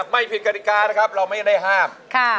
ไม่ผิดกฎิกานะครับเราไม่ได้ห้าม